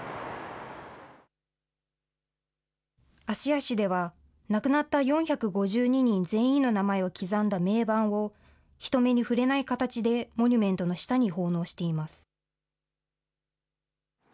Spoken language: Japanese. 芦屋市では、亡くなった４５２人全員の名前を刻んだ銘板を、人目に触れない形でモニュメントの下に奉納しています。